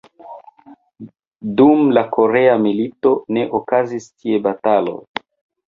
Dum la Korea milito ne okazis tie bataloj.